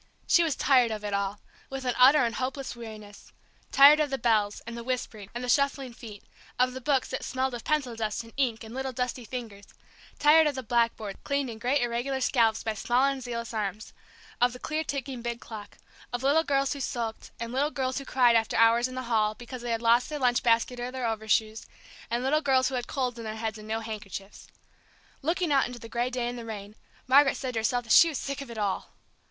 She was tired of it all, with an utter and hopeless weariness. Tired of the bells, and the whispering, and the shuffling feet, of the books that smelled of pencil dust and ink and little dusty fingers; tired of the blackboards, cleaned in great irregular scallops by small and zealous arms; of the clear ticking big clock; of little girls who sulked, and little girls who cried after hours in the hall because they had lost their lunch baskets or their overshoes, and little girls who had colds in their heads, and no handkerchiefs. Looking out into the gray day and the rain, Margaret said to herself that she was sick of it all!